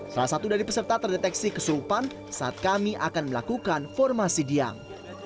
salah satu dari peserta terdeteksi kesurupan saat kami akan melakukan formasi diang